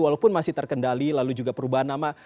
walaupun masih terkendali lalu juga perubahan nama